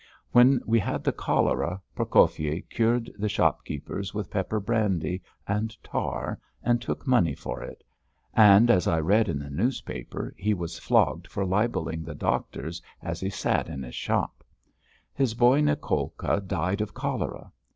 When we had the cholera, Prokofyi cured the shopkeepers with pepper brandy and tar and took money for it, and as I read in the newspaper, he was flogged for libelling the doctors as he sat in his shop. His boy Nicolka died of cholera.